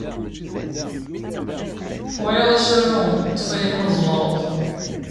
Twalaḍ asaru n Ṭṭef-iyi ma tzemreḍ?